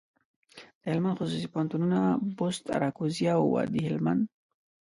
دهلمند خصوصي پوهنتونونه، بُست، اراکوزیا او وادي هلمند.